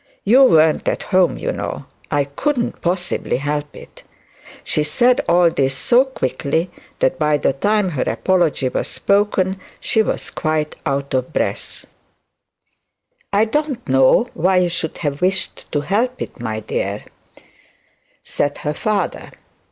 You weren't at home, you know, I couldn't possibly help it.' She said all this so quickly that by the time her apology was spoken she was quite out of breath. 'I don't know why you should have wished to help it, my dear,' said her father.